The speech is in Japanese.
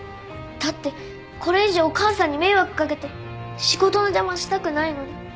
だってこれ以上お母さんに迷惑掛けて仕事の邪魔したくないのに。